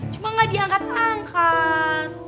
cuma gak diangkat angkat